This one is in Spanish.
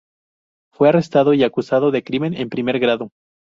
Fue arrestado y acusado de crimen en primer grado.